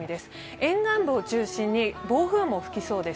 沿岸部を中心に暴風も吹きそうです。